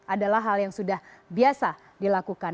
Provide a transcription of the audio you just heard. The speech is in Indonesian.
adalah hal yang sudah biasa dilakukan